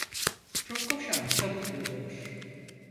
Çok koşan çabuk yorulur.